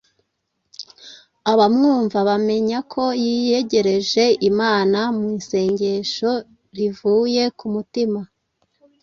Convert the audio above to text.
Abamwumva bamenya ko yiyegereje Imana mu isengesho rivuye ku mutima